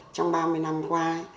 trong ba mươi năm qua